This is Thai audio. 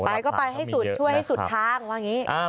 ไปก็ไปช่วยให้สุดทาง